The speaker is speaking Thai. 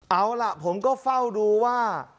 เอาล่ะผมก็เฝ้าดูว่า